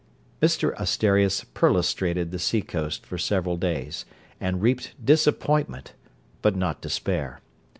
Mr Asterias perlustrated the sea coast for several days, and reaped disappointment, but not despair.